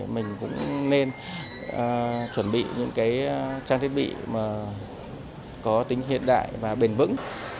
mình cũng nên chuẩn bị những cái trang thiết bị có tính hiện đại và bền vững